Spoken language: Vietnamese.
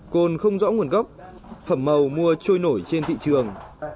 cồn không rõ nguồn gốc phẩm màu trôi nổi trên thị trường